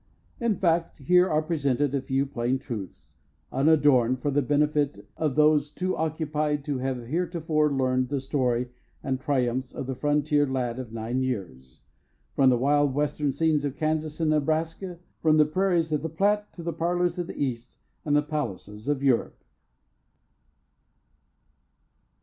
In fact, here are presented a few plain truths, unadorned, for the benefit of those too occupied to have heretofore learned the story and triumphs of the frontier lad of nine years, from the wild Western scenes of Kansas and Nebraska, from the prairies of the Platte to the parlors of the East and the palaces of Europe.